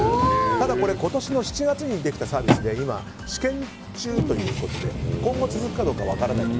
ただ今年の７月にできたサービスで今、試験中ということで今後続くかどうかは分かりません。